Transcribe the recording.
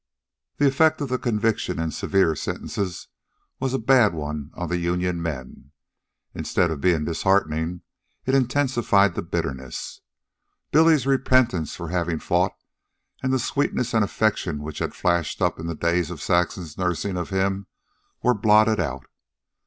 The effect of the conviction and severe sentences was a bad one on the union men. Instead of being disheartening, it intensified the bitterness. Billy's repentance for having fought and the sweetness and affection which had flashed up in the days of Saxon's nursing of him were blotted out.